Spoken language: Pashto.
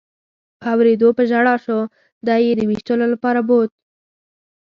په اورېدو په ژړا شو، دی یې د وېشتلو لپاره بوت.